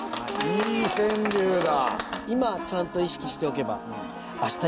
いい川柳だ！